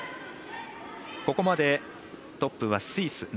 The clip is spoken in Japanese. ここまで、トップはスイス。